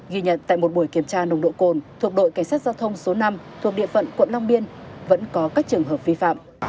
ghi nhận tại một buổi kiểm tra nồng độ cồn thuộc đội cảnh sát giao thông số năm thuộc địa phận quận long biên vẫn có các trường hợp vi phạm